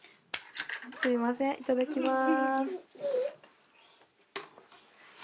すみませんいただきます。